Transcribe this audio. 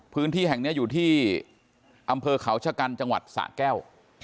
พื้นที่แห่งนี้อยู่ที่อำเภอเขาชะกันจังหวัดสะแก้ว